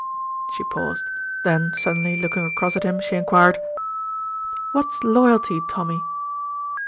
She paused, then suddenly looking across at him she enquired, "What is loyalty, Tommy?"